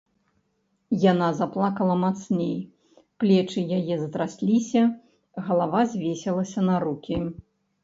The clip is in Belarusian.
Яна заплакала мацней, плечы яе затрасліся, галава звесілася на рукі.